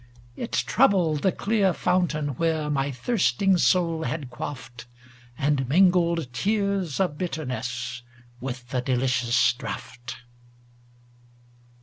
It troubled the clear fountain where My thirsting soul had quaffed, And mingled tears of bitterness With the delicious draught.